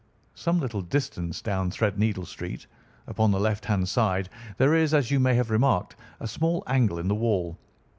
Some little distance down Threadneedle Street, upon the left hand side, there is, as you may have remarked, a small angle in the wall.